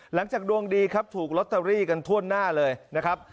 หลังจากดวงดีครับถูกลอตเตอรี่กันทั่วหน้าเลยนะครับ